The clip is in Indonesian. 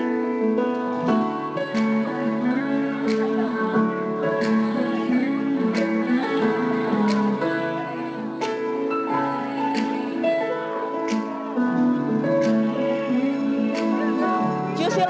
jangan lupa subscribe ya